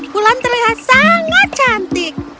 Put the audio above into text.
bulan terlihat sangat cantik